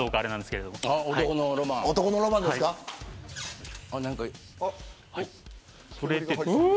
男のロマンですか。